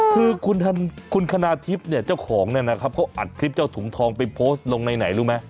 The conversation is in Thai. คือคุณคณาทิพย์เนี่ยเจ้าของเนี่ยนะครับเขาอัดคลิปเจ้าถุงทองไปโพสต์ลงในไหนรู้ไหม